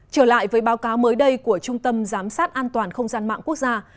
trở lại với báo cáo mới đây của trung tâm giám sát an toàn không gian mạng quốc gia